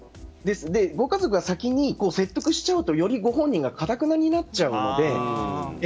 ご家族が先に説得しちゃうとよりご本人がかたくなになっちゃうので。